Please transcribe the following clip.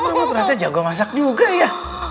kamu ternyata jago masak juga ya